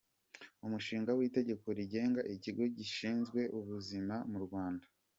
Umushinga w’Itegeko rigenga Ikigo gishinzwe Ubuzima mu Rwanda.